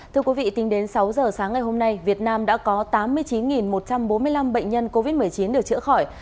thưa quý vị tính đến sáu giờ sáng ngày hôm nay việt nam đã có tám mươi chín một trăm bốn mươi năm bệnh nhân covid một mươi chín được chữa khỏi